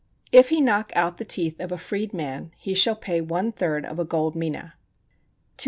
If he knock out the teeth of a freed man, he shall pay one third of a gold mina. 202.